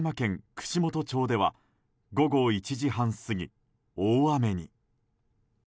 串本町では午後１時半過ぎ、大雨に。